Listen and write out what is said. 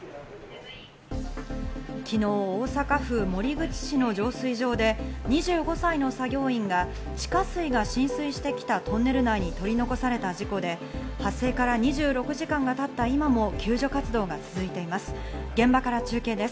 昨日、大阪府守口市の浄水場で２５歳の作業員が地下水が浸水してきたトンネル内に取り残された事故で、発生から２６時間経った今も救助活動が続いています。